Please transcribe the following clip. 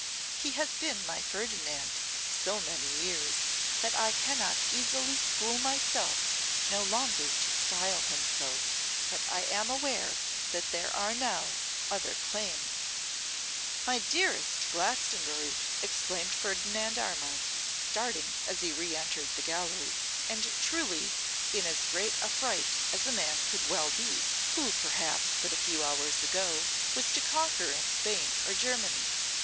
He has been my Ferdinand so many years, that I cannot easily school myself no longer to style him so. But I am aware that there are now other claims ' 'My dearest Glastonbury,' exclaimed Ferdinand Armine, starting as he re entered the gallery, and truly in as great a fright as a man could well be, who perhaps, but a few hours ago, was to conquer in Spain or Germany.